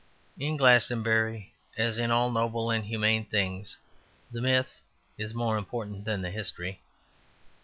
In Glastonbury, as in all noble and humane things, the myth is more important than the history.